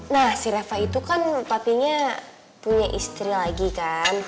nah si reva itu kan patinya punya istri lagi kan